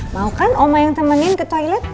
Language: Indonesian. mau kan oma yang temenin ke toilet